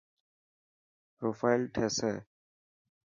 پروفائل ٺيسي.